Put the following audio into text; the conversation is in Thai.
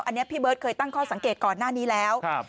อันนี้พี่เบิร์ตเคยตั้งข้อสังเกตก่อนหน้านี้แล้ว